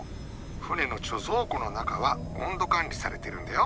船の貯蔵庫の中は温度管理されてるんだよ。